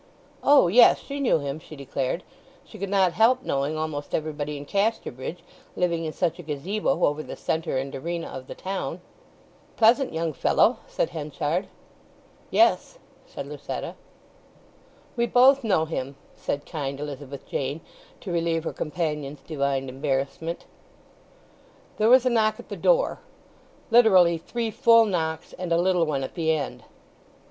O yes, she knew him, she declared; she could not help knowing almost everybody in Casterbridge, living in such a gazebo over the centre and arena of the town. "Pleasant young fellow," said Henchard. "Yes," said Lucetta. "We both know him," said kind Elizabeth Jane, to relieve her companion's divined embarrassment. There was a knock at the door; literally, three full knocks and a little one at the end.